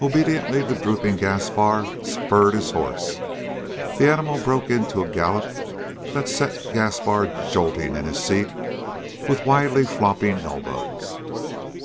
Obediently the drooping Gaspar spurred his horse. The animal broke into a gallop that set Gaspar jolting in the seat, with wildly flopping elbows.